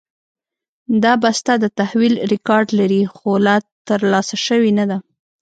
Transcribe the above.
دا بسته د تحویل ریکارډ لري، خو لا ترلاسه شوې نه ده.